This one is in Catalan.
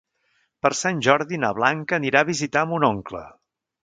Per Sant Jordi na Blanca anirà a visitar mon oncle.